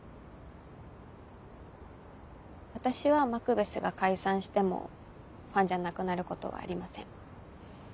私はマクベスが解散してもファンじゃなくなることはありません。